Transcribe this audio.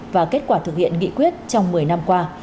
và kết quả thực hiện nghị quyết trong một mươi năm qua